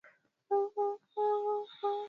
Hali hatari zinazochangia maambukizi